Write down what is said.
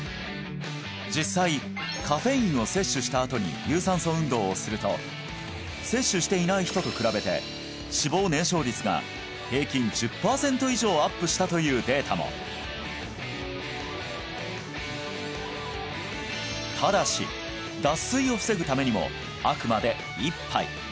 実際カフェインを摂取したあとに有酸素運動をすると摂取していない人と比べて脂肪燃焼率が平均１０パーセント以上アップしたというデータもただし脱水を防ぐためにもあくまで１杯！